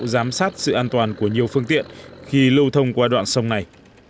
giám sát sự an toàn của nhiều phương tiện khi lưu thông qua đoạn sông này